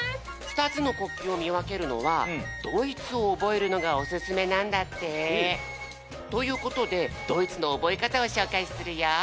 ふたつの国旗をみわけるのはドイツを覚えるのがおすすめなんだって。ということでドイツの覚え方をしょうかいするよ。